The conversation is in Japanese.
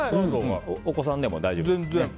お子さんでも大丈夫ですね。